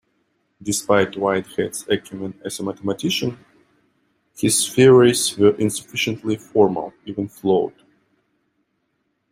Despite Whitehead's acumen as a mathematician, his theories were insufficiently formal, even flawed.